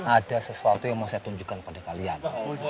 ada sesuatu yang mau saya tunjukkan pada kalian